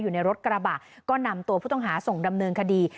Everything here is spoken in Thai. อยู่ในรถกระบะก็นำตัวผู้ต้องหาส่งดำเนินคดี